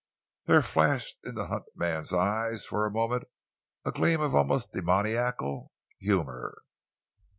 There flashed in the hunted man's eyes for a moment a gleam of almost demoniacal humour.